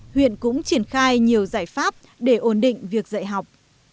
huyện cũng triển khai nhiều giải pháp để ổn định việc dạy học